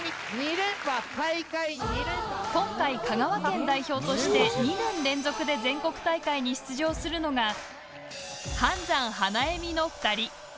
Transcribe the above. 今回、香川県代表として２年連続で全国大会に出場するのが「飯山花笑み」の２人。